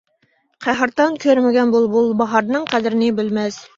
قەھرىتان كۆرمىگەن بۇلبۇل باھارنىڭ قەدرىنى بىلمەس.